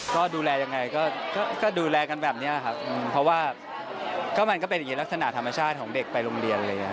ก็ดูแลยังไงก็ดูแลกันแบบนี้ค่ะเพราะว่าก็เป็นลักษณะธรรมชาติของเด็กไปโรงเรียนเลยนะ